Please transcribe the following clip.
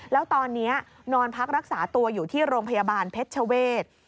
แล้วตอนนี้นอนพักรักษาตัวอยู่ที่โรงพยาบาลเพชรชเวศ